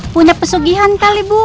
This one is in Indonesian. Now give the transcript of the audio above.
punya pesugihan kali ibu